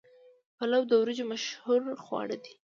پلاو د وریجو مشهور خواړه دي.